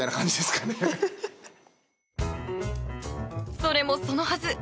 それもそのはず。